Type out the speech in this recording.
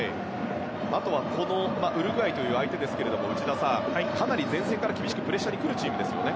あとはウルグアイという相手ですが内田さん、かなり前線から厳しくプレッシャーにきますね。